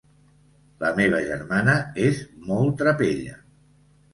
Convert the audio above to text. La meva germana és molt trapella.